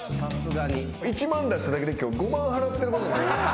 １万出しただけで今日５万払ってることに。